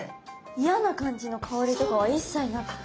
嫌な感じの香りとかは一切なくて。